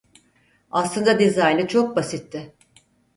Aslında dizaynı çok basitti.